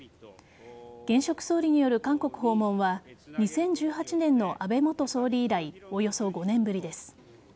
現職総理による韓国訪問は２０１８年の安倍元総理以来およそ５年ぶりです。